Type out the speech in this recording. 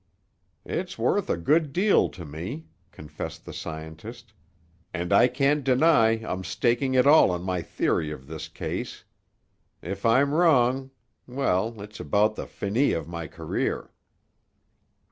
"It's worth a good deal to me," confessed the scientist. "And I can't deny I'm staking it all on my theory of this case. If I'm wrong—well, it's about the finis of my career."